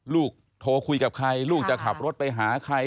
ลูกโทรคุยกับใครลูกจะขับรถไปหาใคร